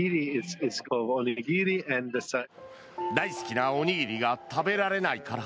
大好きなおにぎりが食べられないから。